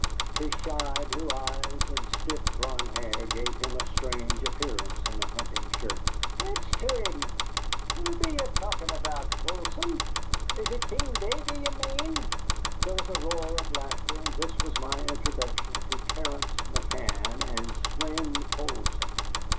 His shy blue eyes and stiff blond hair gave him a strange appearance in a hunting shirt. "Hist to him! Who will ye be talkin' about, Poulsson? Is it King David ye mane?" There was a roar of laughter, and this was my introduction to Terence McCann and Swein Poulsson.